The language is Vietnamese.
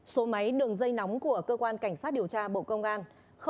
số máy đường dây nóng của cơ quan cảnh sát điều tra bộ công an